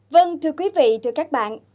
vâng thưa quý vị thưa các bạn